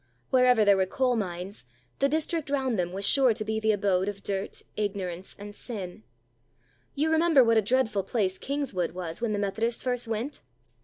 Wherever there were coal mines, the district round them was sure to be the abode of dirt, ignorance, and sin. You remember what a dreadful place Kingswood was when the Methodists first went?